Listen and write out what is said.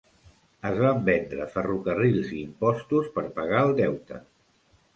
Es van vendre ferrocarrils i impostos per pagar el deute.